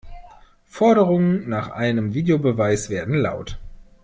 Forderungen nach einem Videobeweis werden laut.